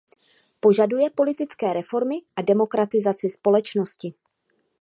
Požaduje politické reformy a demokratizaci společnosti.